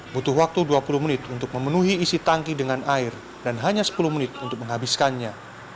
butuh waktu dua puluh menit untuk memenuhi isi tangki dengan air dan hanya sepuluh menit untuk menghabiskannya